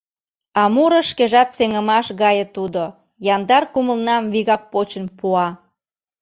А муро шкежат сеҥымаш гае тудо: Яндар кумылнам вигак почын пуа.